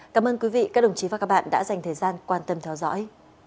cảm ơn quý vị và các đồng chí đã dành thời gian quan tâm theo dõi